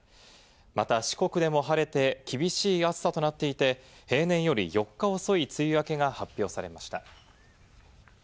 また、四国でも晴れて厳しい暑さとなっていて、平年より４日遅い梅雨明けが発表されました。